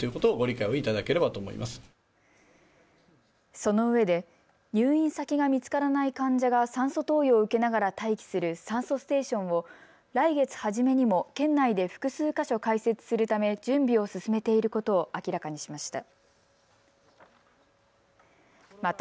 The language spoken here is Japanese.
そのうえで入院先が見つからない患者が酸素投与を受けながら待機する酸素ステーションを来月初めにも県内で複数か所開設するため準備を進めていることを明らかにしました。